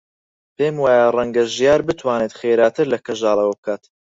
پێم وایە ڕەنگە ژیار بتوانێت خێراتر لە کەژاڵ ئەوە بکات.